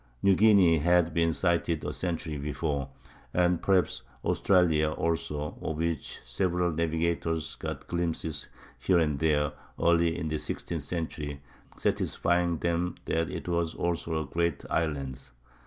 New Guinea had been sighted a century before, and perhaps Australia also, of which several navigators got glimpses here and there early in the sixteenth century, satisfying them that it also was a great island.